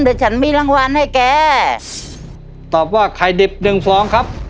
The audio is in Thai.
เดี๋ยวฉันมีรางวัลให้แกตอบว่าไข่ดิบหนึ่งฟองครับ